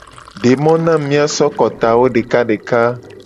De mo na mu mia so kotawo deka deka.